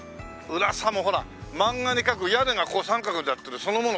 裏さもほら漫画に描く屋根がこう三角になってるそのもの